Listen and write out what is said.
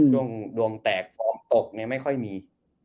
ช่วงดวงแตกฝอมตกไม่ค่อยมี